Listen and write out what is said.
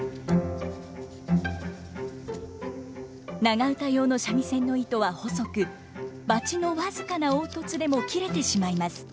長唄用の三味線の糸は細くバチの僅かな凹凸でも切れてしまいます。